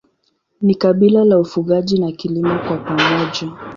Ni kabila la ufugaji na kilimo kwa pamoja.